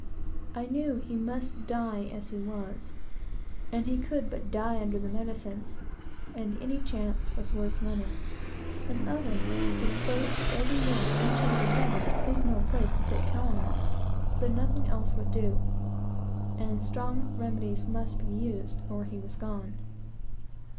I knew he must die as he was, and he could but die under the medicines, and any chance was worth running. An oven, exposed to every wind and change of weather, is no place to take calomel; but nothing else would do, and strong remedies must be used, or he was gone.